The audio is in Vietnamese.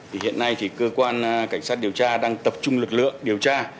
hiện nay cơ quan cảnh sát điều tra đang tập trung lực lượng điều tra